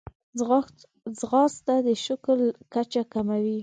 ځغاسته د شکر کچه کموي